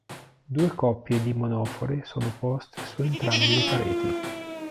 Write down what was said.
Due coppie di monofore sono poste su entrambi le pareti.